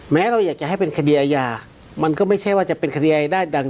เราอยากจะให้เป็นคดีอาญามันก็ไม่ใช่ว่าจะเป็นคดีอายได้ดัง